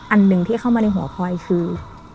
อันหนึ่งที่เข้ามาในหัวพลอยคือ